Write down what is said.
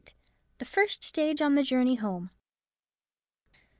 THE FIRST STAGE ON THE JOURNEY HOME.